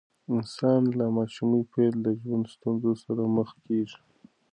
انسان له ماشومۍ پیل د ژوند ستونزو سره مخ کیږي.